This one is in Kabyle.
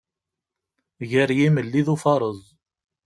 Gar yimelli d ufaṛeẓ.